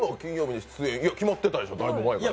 決まってたでしょ、だいぶ前から。